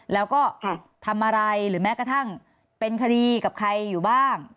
แล้วก็ทำอะไรหรือแม้กระทั่งเป็นคดีกับใครอยู่บ้าง